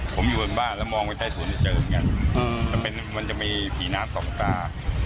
ผมอยู่บนบ้านแล้วมองไปใต้ถุนเจอกันต้องมีผีน้ำส่องตา